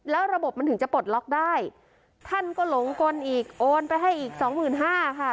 แล้วระบบมันถึงจะปลดล็อกได้ท่านก็หลงกลอีกโอนไปให้อีกสองหมื่นห้าค่ะ